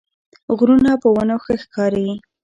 غرونه په ونو ښه ښکاري